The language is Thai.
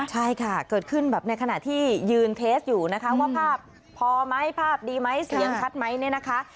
ใช่ค่ะเกิดขึ้นแบบในขณะที่ยืนเทสอยู่นะคะว่าภาพพอไหมภาพดีไหมเสียงชัดไหมเนี่ยนะคะ